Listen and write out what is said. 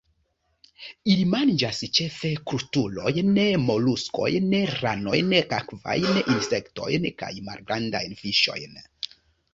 Ili manĝas ĉefe krustulojn, moluskojn, ranojn, akvajn insektojn kaj malgrandajn fiŝojn.